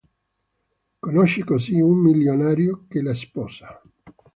Conosce così un milionario che la sposa.